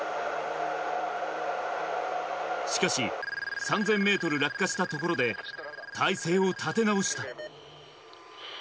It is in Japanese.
しかし、３０００メートル落下したところで、体勢を立て直した。